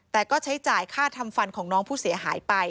แต่ก็ใช้จ่ายค่าทำฟันของน้องผู้เสียหายไป